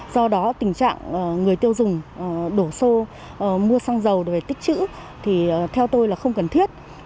do đó tình trạng người tiêu dùng đổ xô mua xăng dầu để tích chữ thì theo tôi là không cần thiết